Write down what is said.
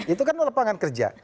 itu kan lapangan kerja